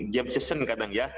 jam session kadang ya